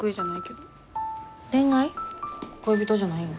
恋人じゃないん？